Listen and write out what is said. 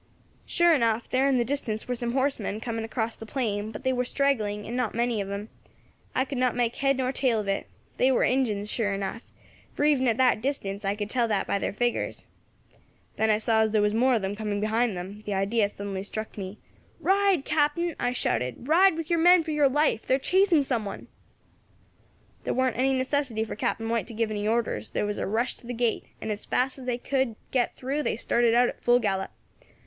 "Sure enough, there in the distance war some horsemen coming across the plain; but they war straggling, and not many of them. I could not make head nor tail of it. They war Injins, sure enough, for even at that distance I could tell that by their figures. Then I saw as there was more of them coming behind them; the idea suddenly struck me: 'Ride, Captain!' I shouted; 'ride with your men for your life, they are chasing some one.' "There warn't any necessity for Captain White to give any orders; there was a rush to the gate, and as fast as they could get through they started out at full gallop.